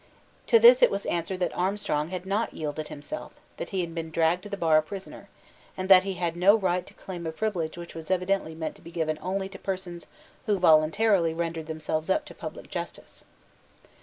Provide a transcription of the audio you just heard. To this it was answered that Armstrong had not yielded himself, that he had been dragged to the bar a prisoner, and that he had no right to claim a privilege which was evidently meant to be given only to persons who voluntarily rendered themselves up to public justice.